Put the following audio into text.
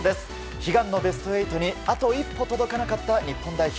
悲願のベスト８にあと一歩届かなかった日本代表。